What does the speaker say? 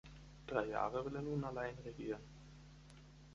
Drei Jahre will er nun allein regieren.